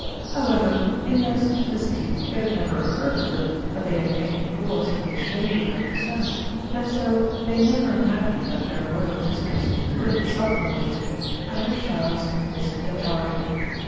However, in their simplicity it had never occurred to them that they had any cause to be ashamed of their descent, and so they never imagined that their Royal Mistress could insult them with it, and her shafts missed the target.